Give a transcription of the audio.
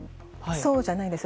そうじゃないんです。